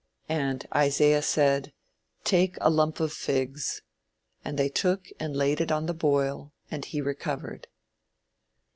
"And Isaiah said, Take a lump of figs. And they took and laid it on the boil, and he recovered."